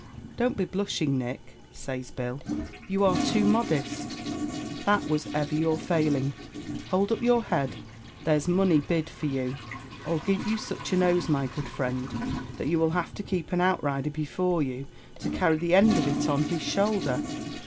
"Don't be blushing, Nick," says Bill, "you are too modest; that was ever your failing; hould up your head, there's money bid for you. I'll give you such a nose, my good friend, that you will have to keep an outrider before you, to carry the end of it on his shoulder."